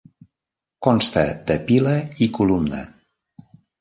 Consta de pila i columna.